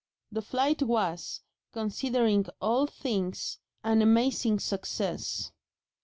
The flight was, considering all things, an amazing success.